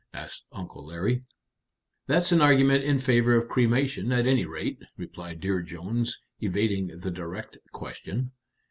asked Uncle Larry. "That's an argument in favor of cremation, at any rate," replied Dear Jones, evading the direct question.